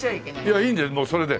いやいいんでもうそれで。